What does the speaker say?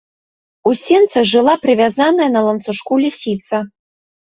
У сенцах жыла прывязаная на ланцужку лісіца.